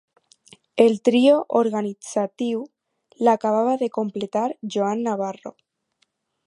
El trio organitzatiu l'acabava de completar Joan Navarro.